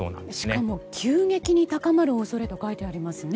しかも急激に高まる恐れと書いてありますね。